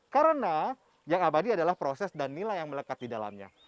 karena yang abadi adalah proses dan nilai yang melekat di dalamnya